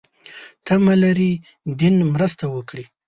تمه لري دین مرسته وکړي.